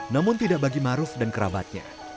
namun tidak bagi maruf dan kerabatnya